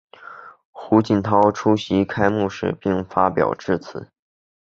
胡锦涛出席开幕式并发表致辞。